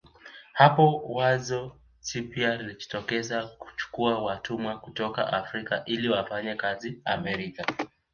Hapo wazo jipya lilijitokeza kuchukua watumwa kutoka Afrika ili wafanye kazi Amerika